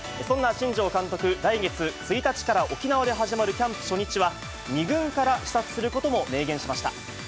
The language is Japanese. そんな新庄監督、来月１日から沖縄で始まるキャンプ初日は、２軍から視察することも明言しました。